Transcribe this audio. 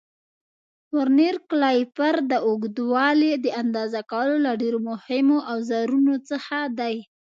ورنیر کالیپر د اوږدوالي د اندازه کولو له ډېرو مهمو اوزارونو څخه دی.